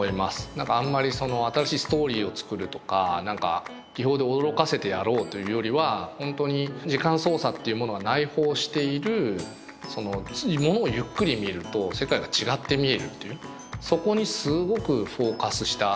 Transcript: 何かあんまりその新しいストーリーを作るとか何か技法で驚かせてやろうというよりは本当に時間操作っていうものが内包している物をゆっくり見ると世界が違って見えるっていうそこにすごくフォーカスした企画。